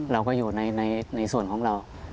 เราก็อยู่ในส่วนของเรา